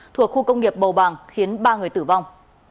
thuộc khu công nghiệp bầu bàng khiến ba người tử vong